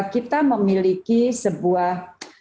kita memiliki sebuah